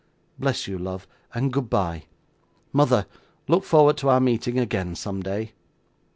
Bless you, love, and goodbye! Mother, look forward to our meeting again someday!